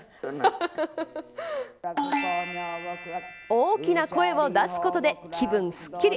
大きな声を出すことで気分すっきり。